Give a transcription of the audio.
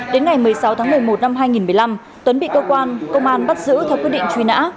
đến ngày một mươi sáu tháng một mươi một năm hai nghìn một mươi năm tuấn bị cơ quan công an bắt giữ theo quyết định truy nã